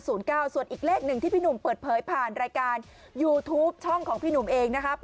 ส่วนอีกเลขหนึ่งที่พี่หนุ่มเปิดเผยผ่านรายการยูทูปช่องของพี่หนุ่มเองนะครับ